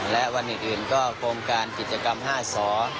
และวันอื่นก็โครงการกิจกรรม๕สอ